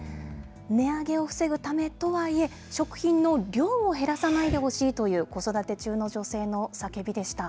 値上げを防ぐためとはいえ、食品の量を減らさないでほしいという、子育て中の女性の叫びでした。